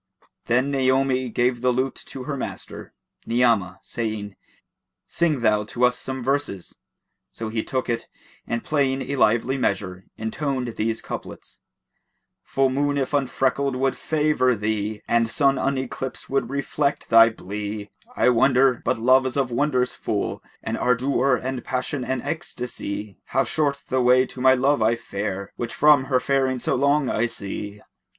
Then Naomi gave the lute to her master, Ni'amah, saying, "Sing thou to us some verse." So he took it and playing a lively measure, intoned these couplets, "Full Moon if unfreckled would favour thee, * And Sun uneclipsed would reflect thy blee: I wonder (but love is of wonders full * And ardour and passion and ecstasy) How short the way to my love I fare, * Which, from her faring, so long I see."